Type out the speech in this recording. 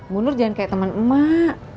bunur jangan kayak temen emak